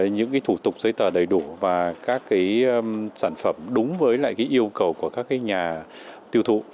những cái thủ tục giấy tờ đầy đủ và các cái sản phẩm đúng với lại cái yêu cầu của các cái nhà tiêu thụ